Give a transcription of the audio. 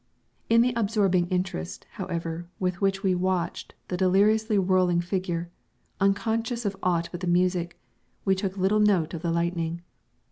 In the absorbing interest, however, with which we watched the deliriously whirling figure, unconscious of aught but the music, we took but little note of the lightning.